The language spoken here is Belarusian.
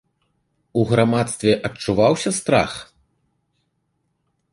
У грамадстве адчуваўся страх?